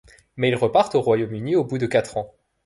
Mais ils repartent au Royaume-Uni au bout de quatre ans.